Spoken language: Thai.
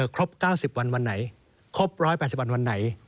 ครบ๙๐วันวันไหนครบ๑๘๐วันวันไหน